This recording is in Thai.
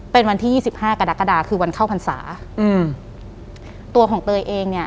เป็นวันที่ยี่สิบห้ากรกฎาคือวันเข้าพรรษาอืมตัวของเตยเองเนี้ย